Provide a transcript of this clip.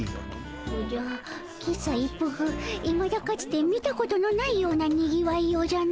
おじゃ喫茶一服いまだかつて見たことのないようなにぎわいようじゃの。